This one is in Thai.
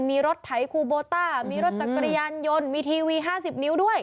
มีรถไถคูโบต้ามีรถจักรยานยนต์มีทีวี๕๐นิ้วด้วย